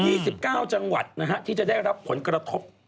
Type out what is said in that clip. มี๑๙จังหวัดนะฮะที่จะได้รับผลกระทบ